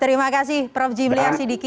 terima kasih prof jimliar sidiki